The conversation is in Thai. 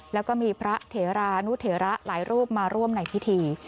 แล้วก็มีพระเถรานุเถระหลายรูปมาร่วมในพิธี